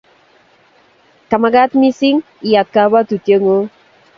Kamagat mising iyat kabuatutietngung'